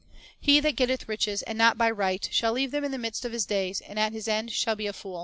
"* "He that getteth riches, and not by right, shall leave them in the midst of his days, and at his end shall be a fool."